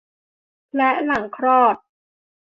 และหลังคลอด